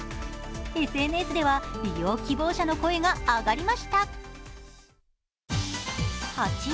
ＳＮＳでは、利用希望者の声が上がりました。